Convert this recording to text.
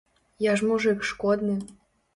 Я ж мужык шкодны.